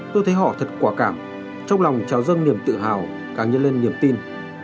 tôi thấy họ thật quả cảm trong lòng trao dâng niềm tự hào càng nhân lên niềm tin